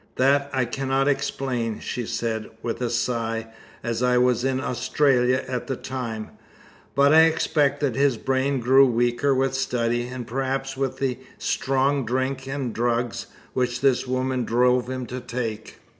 "That I cannot explain," she said, with a sigh, "as I was in Australia at the time. But I expect that his brain grew weaker with study, and perhaps with the strong drink and drugs which this woman drove him to take.